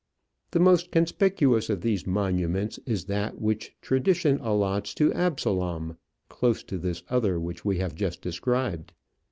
The most conspicuous of these monuments is that which tradition allots to Absalom, close to this other which we have just described.